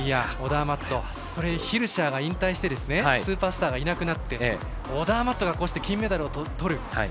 ヒルシャーが引退してスーパースターがいなくなってオダーマットが金メダルをとる。